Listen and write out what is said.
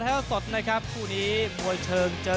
น้องรั้งดันบรรทาชาญ